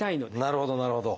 なるほどなるほど。